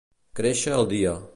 Créixer el dia.